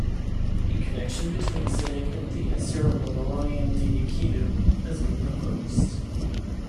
A connection between Sydyk and the Assyro-Babylonian deity Kittu has been proposed.